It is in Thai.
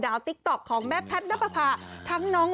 เดี๋ยวจะโดนโป่งโป่งโป่งโป่งโป่ง